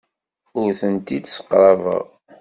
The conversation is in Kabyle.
Ur tent-id-sseqrabeɣ.